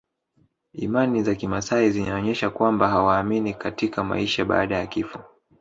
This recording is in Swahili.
Imani za kimaasai zinaonyesha kwamba hawaamini katika maisha baada ya kifo